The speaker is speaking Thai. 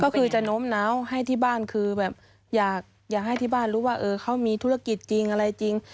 ก็คือจะโน้มน้าวให้ที่บ้านคือแบบอยากให้ที่บ้านรู้ว่าเขามีธุรกิจจริงอะไรจริง